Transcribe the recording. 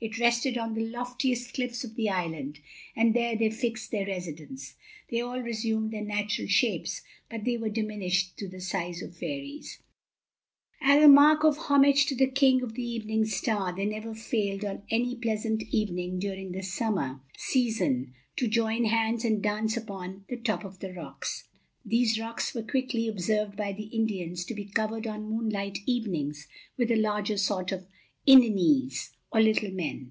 It rested on the loftiest cliffs of the island, and there they fixed their residence. They all resumed their natural shapes, but they were diminished to the size of fairies; and as a mark of homage to the King of the Evening Star, they never failed on every pleasant evening during the summer season to join hands and dance upon the top of the rocks. These rocks were quickly observed by the Indians to be covered, on moonlight evenings, with a larger sort of Ininees, or little men.